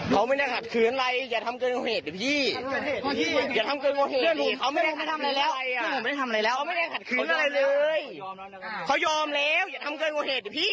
ก็ไปแล้วอย่าทำเกินกว่าเหตุเดี๋ยวนะครับพี่